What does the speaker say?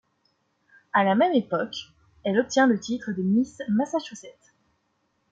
À la même époque, elle obtient le titre de Miss Massachusetts.